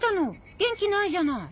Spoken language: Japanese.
元気ないじゃない。